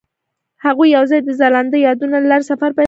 هغوی یوځای د ځلانده یادونه له لارې سفر پیل کړ.